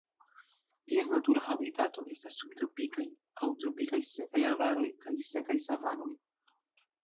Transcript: Ties natura habitato estas subtropikaj aŭ tropikaj sekaj arbaroj kaj sekaj savanoj.